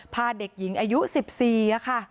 พาเด็กหญิงอายุ๑๔ค่ะ